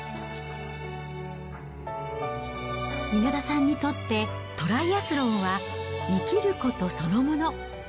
稲田さんにとってトライアスロンは、生きることそのもの。